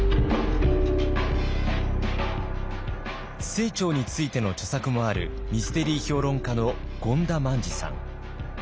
清張についての著作もあるミステリー評論家の権田萬治さん。